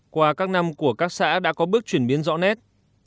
qua các năm của các xã đã có bước chuyển biến rõ nét